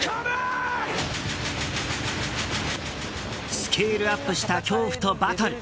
スケールアップした恐怖とバトル。